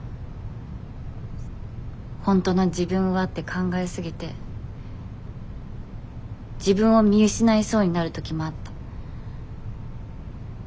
本当の自分はって考え過ぎて自分を見失いそうになる時もあった。